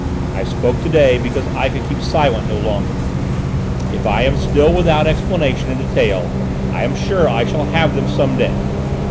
I spoke to day, because I could keep silent no longer; if I am still without some explanations in detail, I am sure I shall have them some day.